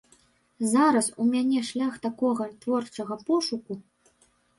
Зараз у мяне шлях такога творчага пошуку.